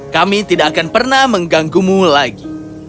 kami tidak akan pernah mengganggumu lagi